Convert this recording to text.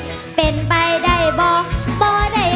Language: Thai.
เธอเป็นผู้สาวขาเลียน